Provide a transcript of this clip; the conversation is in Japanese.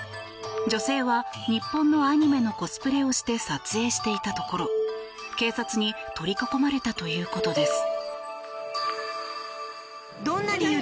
女性は日本のアニメのコスプレをして撮影していたところ、警察に取り囲まれたということです。